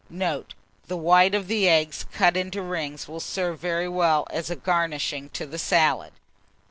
Note. The whites of the eggs, cut into rings, will serve very well as a garnishing to the salad.